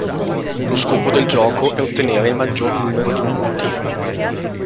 Lo scopo del gioco è ottenere il maggior numero di punti.